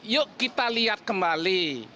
yuk kita lihat kembali